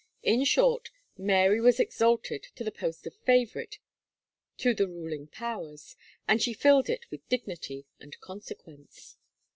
In short, Mary was exalted to the post of favourite to the ruling powers, and she filled it with dignity and consequence.